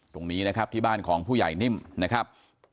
ตรงนี้นะครับที่บ้านของผู้ใหญ่นิ่มนะครับ